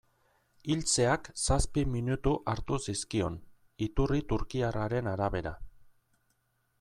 Hiltzeak zazpi minutu hartu zizkion, iturri turkiarraren arabera.